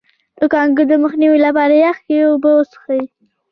د کانګو د مخنیوي لپاره یخې اوبه وڅښئ